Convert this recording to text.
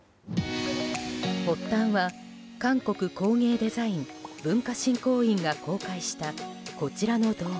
発端は、韓国工芸デザイン文化振興院が公開したこちらの動画。